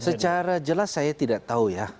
secara jelas saya tidak tahu ya